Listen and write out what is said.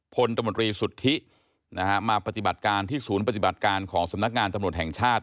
ตมตรีสุทธิมาปฏิบัติการที่ศูนย์ปฏิบัติการของสำนักงานตำรวจแห่งชาติ